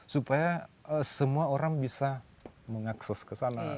supaya semua orang bisa mengakses ke sana